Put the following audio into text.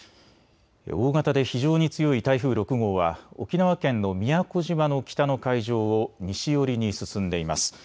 大型で非常に強い台風６号は沖縄県の宮古島の北の海上を西寄りに進んでいます。